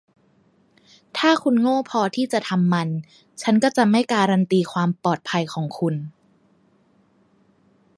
ถ้าคุณโง่พอที่จะทำมัน ฉันก็จะไม่การันตีความปลอดภัยของคุณ